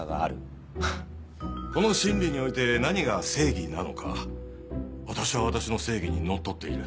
この審理において何が正義なのか私は私の正義にのっとっている。